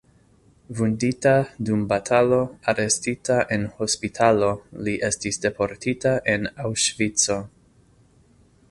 Vundita dum batalo, arestita en hospitalo, li estis deportita en Aŭŝvico.